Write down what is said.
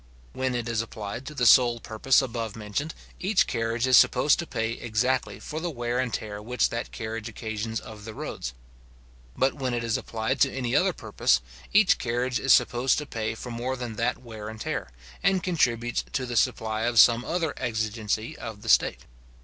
When it is applied to the sole purpose above mentioned, each carriage is supposed to pay exactly for the wear and tear which that carriage occasions of the roads. But when it is applied to any other purpose, each carriage is supposed to pay for more than that wear and tear, and contributes to the supply of some other exigency of the state.